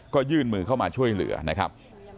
ก็ยื่นมือเข้ามาช่วยเหลือนะครับ